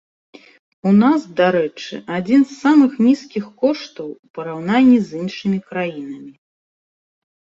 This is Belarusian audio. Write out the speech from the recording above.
У нас, дарэчы, адзін з самых нізкіх коштаў у параўнанні з іншымі краінамі!